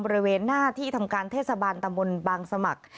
บริเวณหน้าที่ทำการเทศบาลตำบลบางสมัคร